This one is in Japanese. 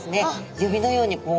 指のようにこう。